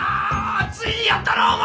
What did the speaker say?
ついにやったなお前！